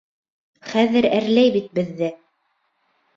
— Хәҙер әрләй бит беҙҙе.